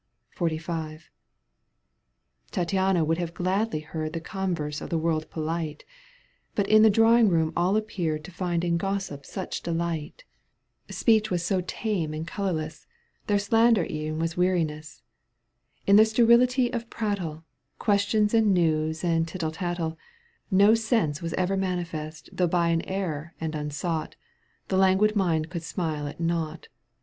XLV. Tattiana would have gladly heard The converse of the world polite, But in the drawing room аЛ appeared To find in gossip such delight, Digitized by CjOOQ 1С 214 EUGENE ONIEGUINE. canto тп. Speech was so tame and colourless Their slander e'en was weariness ; In iheir sterility of prjittle, Questions and news and tittle tattle, No sense was ever manifest Though by an error and unsought — The languid mind could smile at nought.